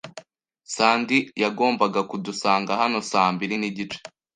Sandy yagombaga kudusanga hano saa mbiri nigice.